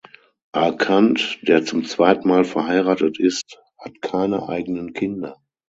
Arcand, der zum zweiten Mal verheiratet ist, hat keine eigenen Kinder.